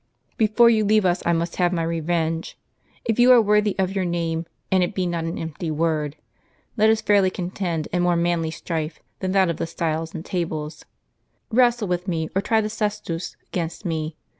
Before you leave us I must have my revenge. If you are worthy of your name, and it be not an empty word,* let us fairly contend in more manly strife than that of the style and tables, t Wrestle with me, or try the cestust against me.